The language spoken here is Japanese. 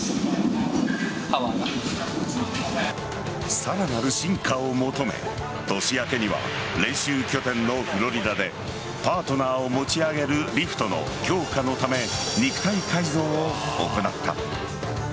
さらなる進化を求め年明けには練習拠点のフロリダでパートナーを持ち上げるリフトの強化のため肉体改造を行った。